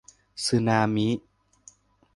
สึนามิ